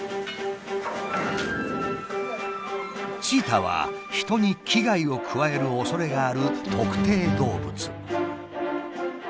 チーターは人に危害を加えるおそれがある特定動物。